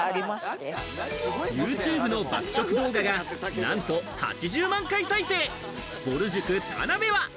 ＹｏｕＴｕｂｅの爆食動画がなんと８９万回再生、ぼる塾・田辺は。